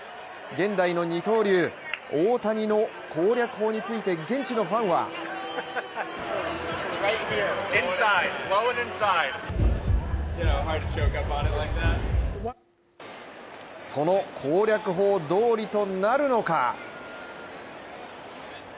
現代の二刀流・大谷の攻略法について現地のファンはその攻略法どおりとなるのか？